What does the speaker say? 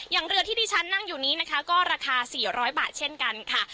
เรือที่ที่ฉันนั่งอยู่นี้นะคะก็ราคา๔๐๐บาทเช่นกันค่ะ